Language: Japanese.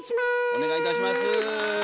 お願いいたします。